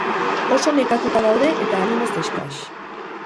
Oso nekatuta daude eta animoz eskas.